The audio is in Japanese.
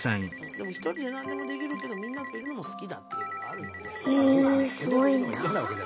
でもひとりで何でもできるけどみんなといるのも好きだっていうのがあるので。